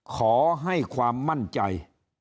ขอให้ความมั่นใจ